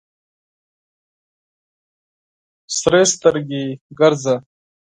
سرې سترګې ګرځه.